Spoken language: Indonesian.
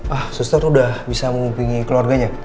ah suster udah bisa mengupingi keluarganya